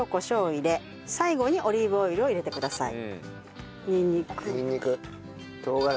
はい最後にオリーブオイルを入れてください。